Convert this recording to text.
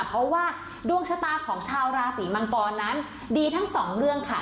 เพราะว่าดวงชะตาของชาวราศีมังกรนั้นดีทั้งสองเรื่องค่ะ